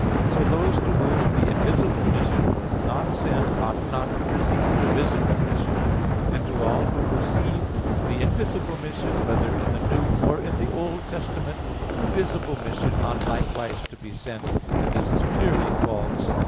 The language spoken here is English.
So those to whom the invisible mission was not sent, ought not to receive the visible mission; and to all who received the invisible mission, whether in the New or in the Old Testament, the visible mission ought likewise to be sent; and this is clearly false.